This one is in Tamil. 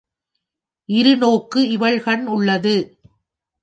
இருநோக்கு இவள்கண் உள்ளது.